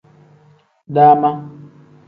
Dama.